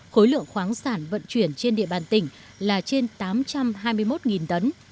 khối lượng khoáng sản vận chuyển trên địa bàn tỉnh là trên tám trăm hai mươi một tấn